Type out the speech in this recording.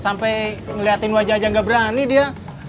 sampai ngeliatin wajah aja gak berani dia